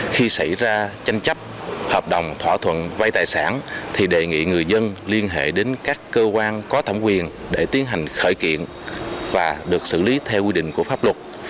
khi xảy ra tranh chấp hợp đồng thỏa thuận vay tài sản thì đề nghị người dân liên hệ đến các cơ quan có thẩm quyền để tiến hành khởi kiện và được xử lý theo quy định của pháp luật